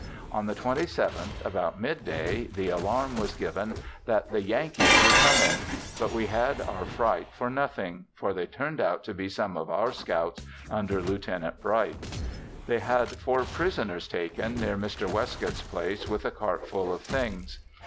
On the 27th about midday the alarm was given that "the Yankees were coming" but we had our fright for nothing, for they turned out to be some of our scouts under Lieut. Bright. They had four prisoners taken near Mr. Westcoat's place with a cart full of things.